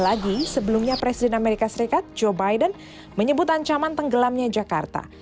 lagi sebelumnya presiden amerika serikat joe biden menyebut ancaman tenggelamnya jakarta